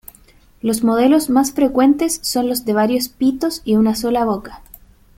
Los modelos más frecuentes son los de varios pitos y una sola boca.